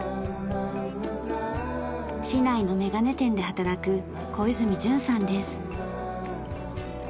市内のメガネ店で働く小泉淳さんです。